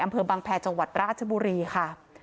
อำเภอบังแพทย์จราชบุรีค่ะ